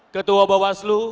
ketua bapak aslu